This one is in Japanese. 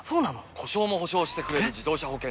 故障も補償してくれる自動車保険といえば？